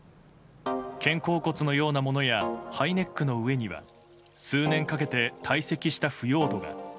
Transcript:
肩甲骨のようなものはハイネックの上には数年かけて堆積した腐葉土が。